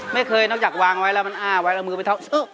ไม่เคยนอกจากวางไว้แล้วมันอ้าวเอามือไปเท่า